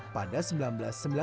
pada saat ini